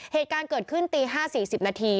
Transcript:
เหตุการณ์เกิดขึ้นตี๕๔๐นาที